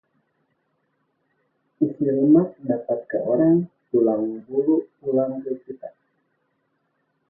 Isi lemak dapat ke orang, tulang bulu pulang ke kita